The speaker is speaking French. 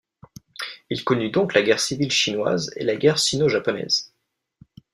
Il connut donc la guerre civile chinoise et la guerre sino-japonaise.